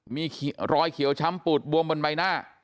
มีรอยเขียวช้ำปูดบวมบนใบหน้า